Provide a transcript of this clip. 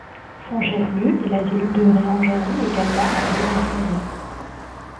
Son chef-lieu est la ville de Ruhengeri également appelée Musanze.